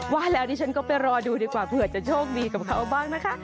ว่าแล้วดิฉันก็ไปรอดูดีกว่าเผื่อจะโชคดีกับเขาบ้างนะคะ